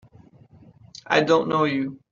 I don't know you!